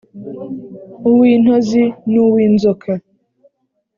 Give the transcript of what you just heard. uw íntózi n uw inzóka